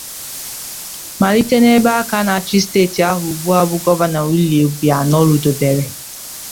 malite n'ebe aka na-achị steeti ahụ ugbua bụ Gọvanọ Willie Obianọ rụdobere